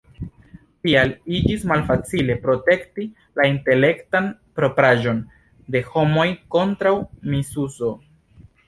Tial iĝis malfacile protekti la "intelektan propraĵon" de homoj kontraŭ misuzo.